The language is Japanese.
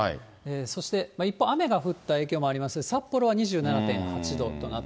そして一方、雨が降った影響もありまして、札幌は２７．８度とな